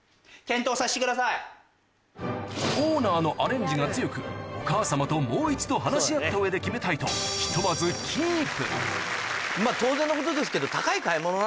オーナーのアレンジが強くお母様ともう一度話し合った上で決めたいとひとまずまぁ当然のことですけど。